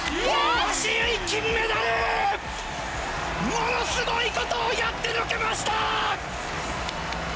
ものすごいことをやってのけました！